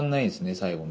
最後ね。